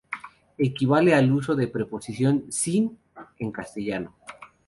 Equivale al uso de la preposición "sin" en castellano.